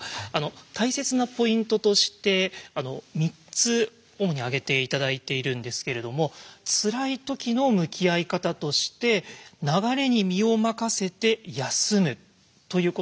大切なポイントとして３つ主に挙げて頂いているんですけれどもツラいときの向き合い方として「流れに身を任せて休む」ということが大事なんですね。